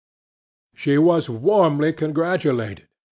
She was warmly congratulated.